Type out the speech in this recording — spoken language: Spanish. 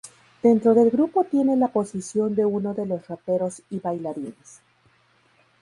Dentro del grupo tiene la posición de uno de los raperos y bailarines.